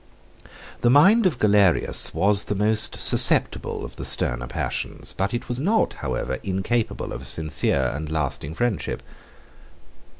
] The mind of Galerius was the most susceptible of the sterner passions, but it was not, however, incapable of a sincere and lasting friendship.